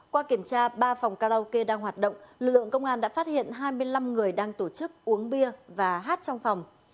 qua kiểm tra ba phòng karaoke đang hoạt động lực lượng công an đã phát hiện hai mươi năm người đang tổ chức uống bia và hát trong phòng